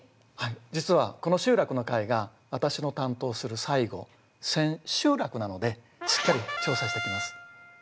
実はこの集落の回が私の担当する最後せんしゅうらくなのでしっかり調査してきます。